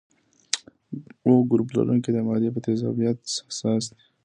O ګروپ لرونکي د معدې په تیزابیت حساس دي.